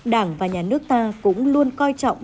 đảng và nhà nước ta cũng luôn coi trọng